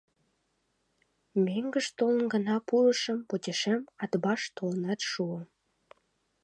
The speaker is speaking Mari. Мӧҥгыш толын гына пурышым, почешем Атбаш толынат шуо.